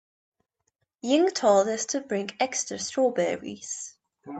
Ying told us to bring extra strawberries.